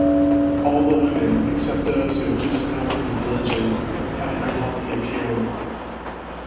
All the women (except those who have just come from the villages) have an un healthy appearance.